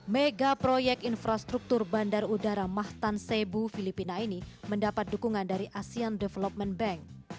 mega proyek infrastruktur bandar udara mahtan sebu filipina ini mendapat dukungan dari asean development bank